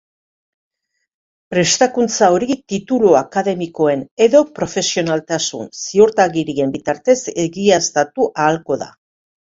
Prestakuntza hori titulu akademikoen edo profesionaltasun ziurtagirien bitartez egiaztatu ahalko da.